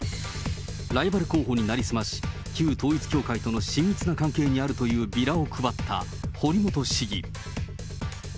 ライバル候補に成り済まし、旧統一教会との親密な関係にあるというビラを配った堀本市議。